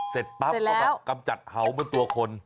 เสร็จปั๊บก็มากำจัดเห่าบนตัวคน